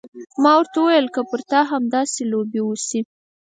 ما وويل که پر تا همداسې لوبې وشي.